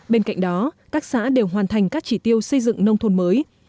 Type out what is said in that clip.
bên cạnh đó các xã đều hoàn thành các chỉ tiêu xây dựng nông thôn mới